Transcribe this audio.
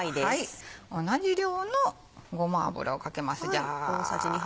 同じ量のごま油をかけますジャ。